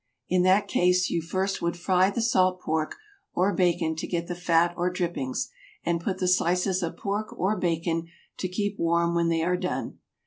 In that case you first would fry the salt pork or bacon to get the fat or drippings, and put the slices of pork or bacon to keep warm when they are done.